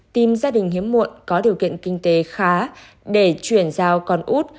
tìm gia đình hiếm muộn có điều kiện kinh tế khá để chuyển giao con út